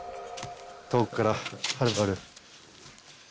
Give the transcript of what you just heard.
遠くからはるばる。